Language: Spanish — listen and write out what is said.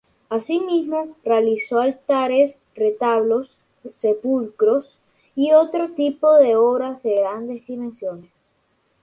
Así mismo, realizó altares, retablos, sepulcros y otro tipo de obras de grandes dimensiones.